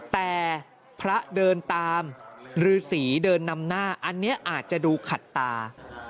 แต่พระเดินตามฤษีเดินนำหน้าอันนี้อาจจะดูขัดตา